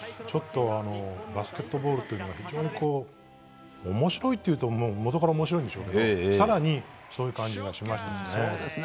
バスケットボールというのは非常に面白いというともとから面白いんでしょうけど更にそんな感じがしましたね。